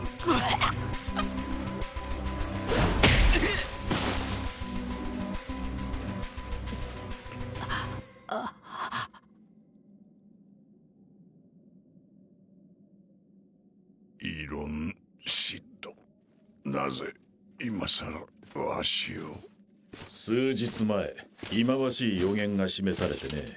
うっあイロンシッドなぜ今さらわしを数日前忌まわしい予言が示されてね